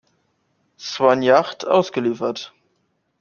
Swan-Yacht ausgeliefert.